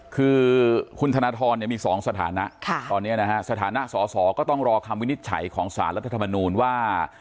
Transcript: คือคุณธนทรมี๒สถานะตอนนี้นะฮะสถานะสอสอก็ต้องรอคำวินิจฉัยของสารรัฐธรรมนูลว่า